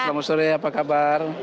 selamat sore apa kabar